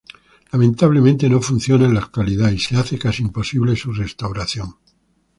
Lamentablemente no funciona en la actualidad y se hace casi imposible su restauración.